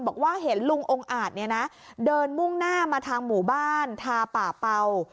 บอกว่าเห็นลุงองค์อาจเนี่ยนะเดินมุ่งหน้ามาทางหมู่บ้านทาป่าเป่า